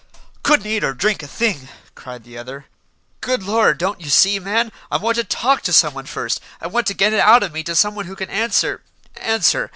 "Couldn't eat or drink a thing," cried the other. "Good Lord, don't you see, man, I want to talk to someone first? I want to get it out of me to someone who can answer answer.